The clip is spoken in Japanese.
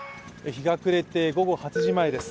日が暮れて、午後８時前です。